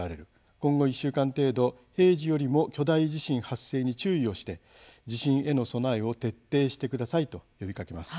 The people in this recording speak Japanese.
今後１週間程度、平時よりも巨大地震発生に注意をして地震への備えを徹底してくださいと呼びかけます。